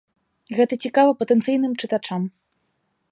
Гэта цікава патэнцыйным чытачам.